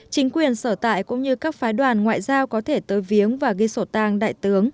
chính quyền sở tại cũng như các phái đoàn ngoại giao có thể tờ viếng và ghi sổ tăng